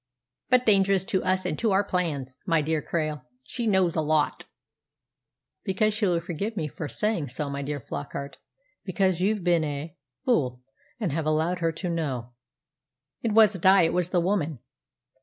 "But dangerous to us and to our plans, my dear Krail. She knows a lot." "Because well, forgive me for saying so, my dear Flockart because you've been a fool, and have allowed her to know." "It wasn't I; it was the woman."